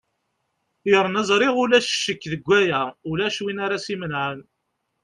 yernu ẓriɣ ulac ccek deg waya ulac win ara s-imenɛen